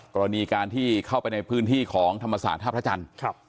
กรณีการที่เข้าไปในพื้นที่ของธรรมศาสตร์ท่าพระจันทร์